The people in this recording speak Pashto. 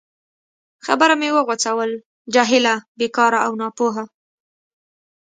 خبره مې وغځول: جاهله، بیکاره او ناپوه.